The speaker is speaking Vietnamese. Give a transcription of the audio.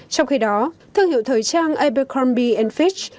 trong khi đó thương hiệu thời trang abercrombie fitch